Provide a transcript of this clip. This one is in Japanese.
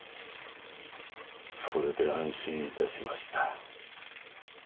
それで安心致しました。